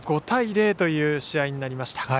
５対０という試合になりました。